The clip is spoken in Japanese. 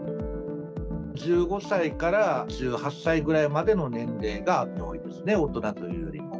１５歳から１８歳ぐらいまでの年齢が多いですね、大人というよりも。